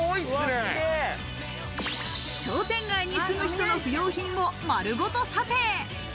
商店街に住む人の不用品をまるごと査定。